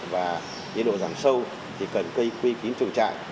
và nhiệt độ giảm sâu thì cần cây quy kín chuồng trại